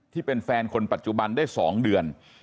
ที่เป็นแฟนคนปัจจุบันได้๒เดือน